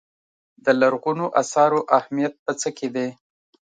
د لرغونو اثارو اهمیت په څه کې دی.